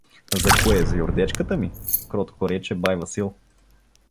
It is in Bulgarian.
— За кое, за юрдечката ми? — кротко рече бай Васил.